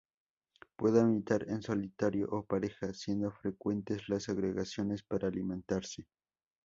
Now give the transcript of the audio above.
Pueden habitar en solitario o pareja, siendo frecuentes las agregaciones para alimentarse.